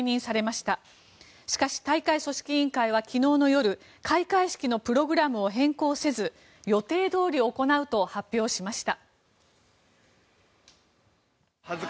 しかし、大会組織委員会は昨日の夜、開会式のプログラムを変更せず、予定通り行うと発表しました。